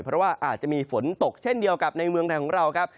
เพราะว่าอาจจะมีฝนตกเช่นเดียวกับในเมืองไทยของเราครับ